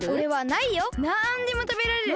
なんでもたべられる。